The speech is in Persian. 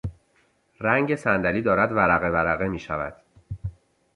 رنگ صندلی دارد ورقه ورقه میشود.